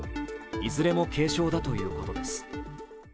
いずれも軽傷だということです。